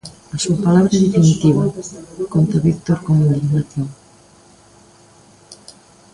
A súa palabra é definitiva, conta Víctor con indignación.